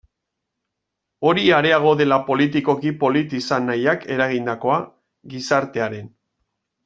Hori areago dela politikoki polit izan nahiak eragindakoa, gizartearen.